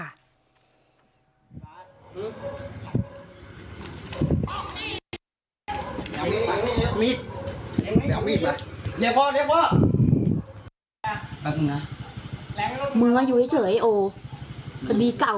มาที่หน้ากู้ภัย๔๖ฟ้าหน่อยได้ไหมครับ